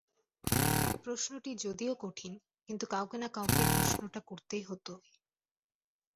প্রশ্নটা যদিও কঠিন, কিন্তু কাউকে না কাউকে প্রশ্নটা করতে হতোই।